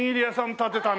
建てたね。